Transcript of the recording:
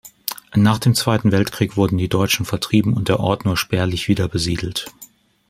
Nach dem Zweiten Weltkrieg wurden die Deutschen vertrieben und der Ort nur spärlich wiederbesiedelt.